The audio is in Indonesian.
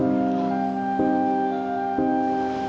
kalau dewi itu mirip dengan sita